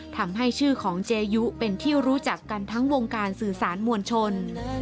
ทำให้ชื่อของเจยุเป็นที่รู้จักกันทั้งวงการสื่อสารมวลชน